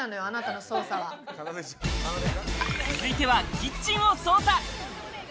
続いてはキッチンを捜査！